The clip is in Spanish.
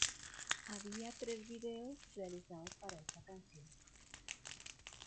Había tres vídeos realizados para esta canción.